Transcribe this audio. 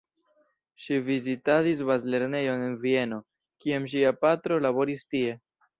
Ŝi vizitadis bazlernejon en Vieno, kiam ŝia patro laboris tie.